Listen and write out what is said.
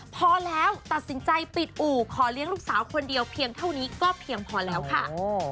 พอแล้วตัดสินใจปิดอู่ขอเลี้ยงลูกสาวคนเดียวเพียงเท่านี้ก็เพียงพอแล้วค่ะ